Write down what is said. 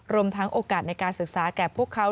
รวมทั้งโอกาสในการศึกษาแก่พวกเขา